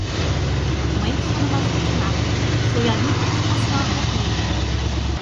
Мыйын шонымаште, чынак, шоя лӱм деч посна ок лий.